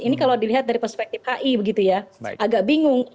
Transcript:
ini kalau dilihat dari perspektif hi begitu ya agak bingung